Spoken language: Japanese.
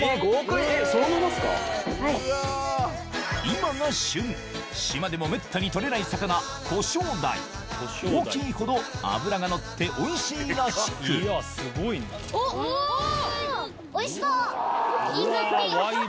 今が旬島でもめったに取れない魚大きいほど脂がのっておいしいらしくお！